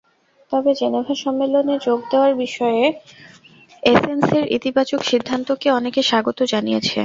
তবে জেনেভা সম্মেলনে যোগ দেওয়ার বিষয়ে এসএনসির ইতিবাচক সিদ্ধান্তকে অনেকে স্বাগত জানিয়েছে।